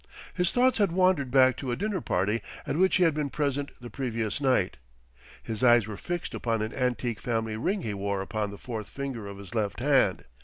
His thoughts had wandered back to a dinner party at which he had been present the previous night. His eyes were fixed upon an antique family ring he wore upon the fourth finger of his left hand.